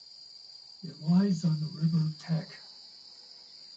It lies on the river Tech.